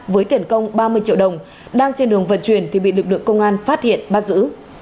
với tiền công ba mươi triệu đồng đang trên đường vận chuyển thì bị lực lượng công an phát hiện bắt giữ